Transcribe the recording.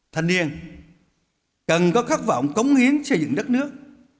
thanh niên cần có khát vọng cống hiến xây dựng đất nước